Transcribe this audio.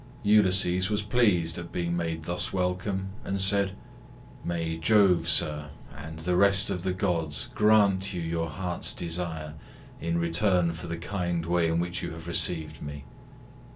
Ulysses was pleased at being made thus welcome, and said "May Jove, sir, and the rest of the gods grant you your heart's desire in return for the kind way in which you have received me."